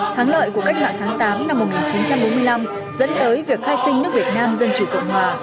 thắng lợi của cách mạng tháng tám năm một nghìn chín trăm bốn mươi năm dẫn tới việc khai sinh nước việt nam dân chủ cộng hòa